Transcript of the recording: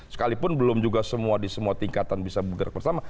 sekalipun belum juga semua di semua tingkatan bisa bergerak bersama